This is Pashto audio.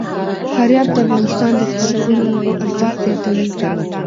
فاریاب د افغانستان د اقتصادي منابعو ارزښت زیاتوي.